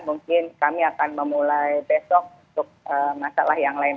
mungkin kami akan memulai besok untuk masalah yang lain